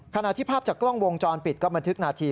ขณะที่ภาพจากกล้องวงจรปิดก็บันทึกนาที